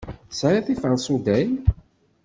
Tesɛiḍ tiferṣuday?